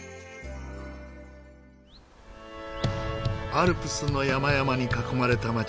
アルプスの山々に囲まれた街